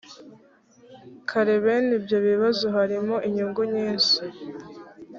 kare bene ibyo bibazo harimo inyungu nyinshi